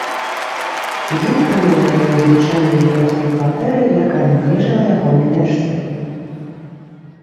Ён прымаў мяне ў звычайнай літоўскай кватэры, якая належала ягонай дачцэ.